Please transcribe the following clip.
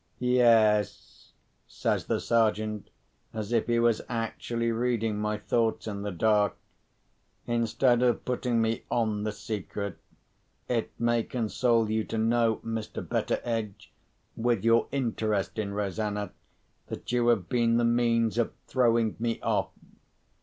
"Yes," says the Sergeant, as if he was actually reading my thoughts in the dark. "Instead of putting me on the scent, it may console you to know, Mr. Betteredge (with your interest in Rosanna), that you have been the means of throwing me off.